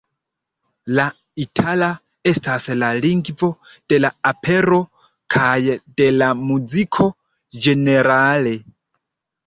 La itala estas la lingvo de la opero kaj de la muziko ĝenerale.